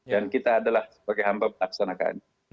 dan kita adalah sebagai hamba penaksanakan